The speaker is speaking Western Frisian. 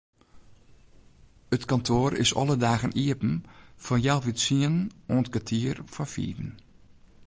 It kantoar is alle dagen iepen fan healwei tsienen oant kertier foar fiven.